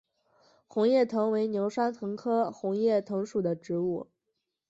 红叶藤为牛栓藤科红叶藤属的植物。